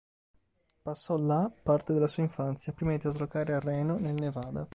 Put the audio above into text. Passò là parte della sua infanzia, prima di traslocare a Reno nel Nevada.